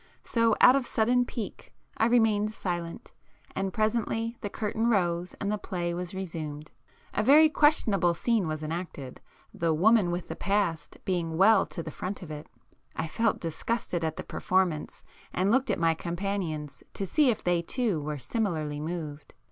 So out of sudden pique I remained silent, and presently the curtain rose and the play was resumed. A very questionable scene was enacted, the 'woman with the past' being well to the front of it. I felt disgusted at the performance and looked at my companions to see if they too were similarly moved.